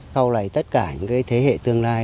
sau này tất cả những thế hệ tương lai